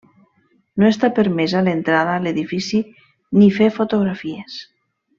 No està permesa l'entrada a l'edifici ni fer fotografies.